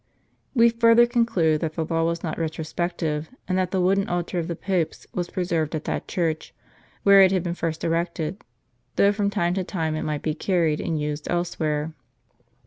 * We further conclude, that the law was not retrospective, and that the wooden altar of the Popes was preserved at that church, where it had been first erected, though from time to time it might be carried, and used else where.